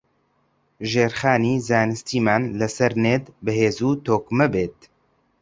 ژێرخانی زانستیمان لەسەر نێت بەهێز و تۆکمە بێت